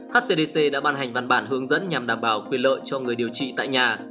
hcdc đã ban hành văn bản hướng dẫn nhằm đảm bảo quyền lợi cho người điều trị tại nhà